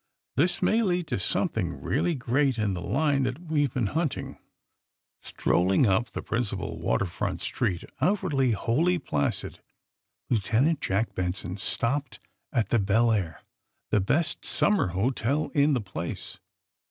This may lead to something really great in the line that we've been hunting." Strolling. up the principal water front street, outwardly wholly placid, Lieutenant Jack Ben son stopped at the Belleair, the best summer hotel in the place.